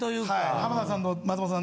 浜田さんと松本さん